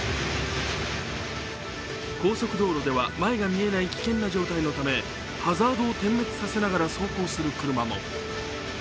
高速道路では前が見えない危険な状態のためハザードを点滅させながら走行する車も。